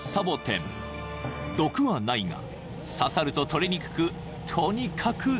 ［毒はないが刺さると取れにくくとにかく痛い］